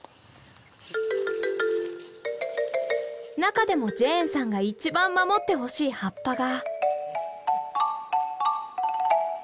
中でもジェーンさんが一番守ってほしい葉っぱが。